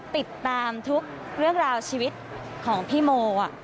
เป็นราวชีวิตของพี่โม